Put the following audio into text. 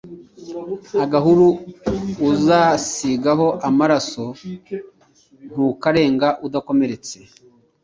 "Agahuru uzasigaho amaraso Ntukarenga udakomeretse !"